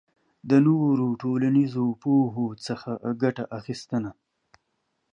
له نورو ټولنیزو پوهو څخه ګټه اخبستنه